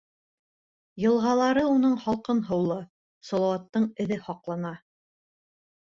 Йылғалары уның һалҡын һыулы, Салауаттың эҙе һаҡлана.